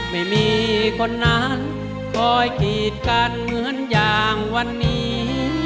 ไม่มีคนนั้นคอยกีดกันเหมือนอย่างวันนี้